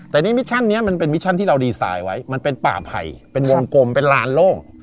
แต่นี่โดยที่เราดีไซน์ไว้มันเป็นป่าไผ่เป็นวงกลมเป็นรานโล่ง